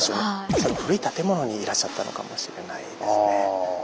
古い建物にいらっしゃったのかもしれないですね。